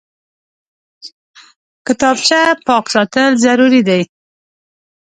کتابچه پاک ساتل ضروري دي